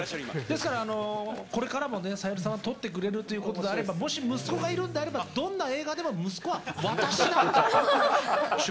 ですから、これからも小百合さんが撮ってくれるということであれば、もし息子がいるのであれば、どんな映画でも息子は私だと。